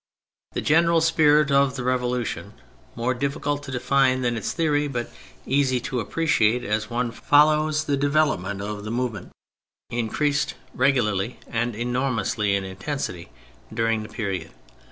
The general spirit of the Revolution, more difficult to define than its theory but easy to appreciate as one follows the develop THE PHASES 105 ment of the movement, increased regularly and enormously in intensity during the period.